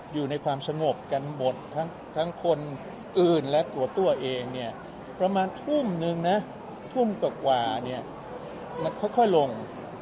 อยู่ในความสงบกันหมดทั้งคนอื่นและตัวตัวเองเนี่ยประมาณทุ่มนึงนะทุ่มกว่าเนี่ยมันค่อยลง